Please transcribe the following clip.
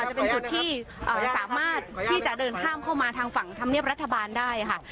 จะเป็นจุดที่จะสามารถที่จะเดินข้ามเข้ามาทางฝั่งธรรมเนียบรัฐบาลได้ค่ะ